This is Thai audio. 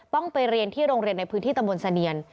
ไปเรียนที่โรงเรียนในพื้นที่ตำบลเสนียน